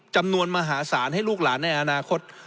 จำนวนมหาศาลให้ลูกหลานในอนาคต